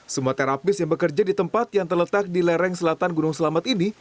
semua terapis yang bekerja di tempat yang terletak di lereng selatan gunung selamet ini